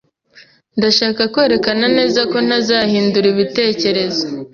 Ndashaka kwerekana neza ko ntazahindura ibitekerezo.